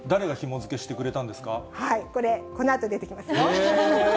えっ、これ、このあと出てきますよ。